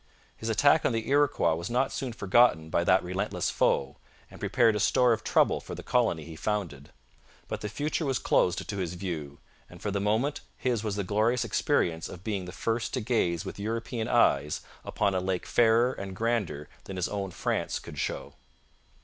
His attack on the Iroquois was not soon forgotten by that relentless foe, and prepared a store of trouble for the colony he founded. But the future was closed to his view, and for the moment his was the glorious experience of being the first to gaze with European eyes upon a lake fairer and grander than his own France could show.